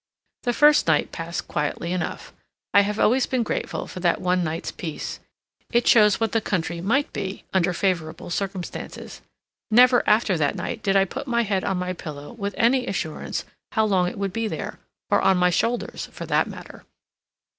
The first night passed quietly enough. I have always been grateful for that one night's peace; it shows what the country might be, under favorable circumstances. Never after that night did I put my head on my pillow with any assurance how long it would be there; or on my shoulders, for that matter.